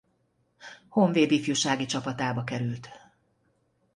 Honvéd ifjúsági csapatába került.